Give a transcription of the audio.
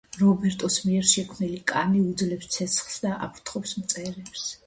რობერტოს შექმნილი კანი უძლებს ცეცხლს და აფრთხობს მწერებს.